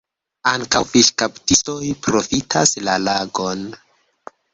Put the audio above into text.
Ankaŭ fiŝkaptistoj profitas la lagon.